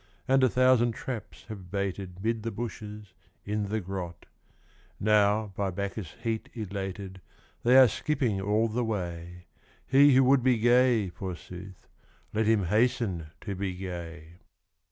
And a thousand traps have baited Mid the bushes, in the grot ; Now by Bacchus* heat elated They are skipping all the way : He who would be gay, forsooth, Let him hasten to be gay.